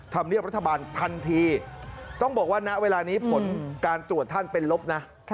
ธรรมเนียบรัฐบาลทันทีต้องบอกว่าณเวลานี้ผลการตรวจท่านเป็นลบนะ